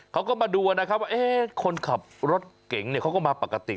เขาก็มาดูนะครับว่าคนขับรถเก่งเขาก็มาปกติ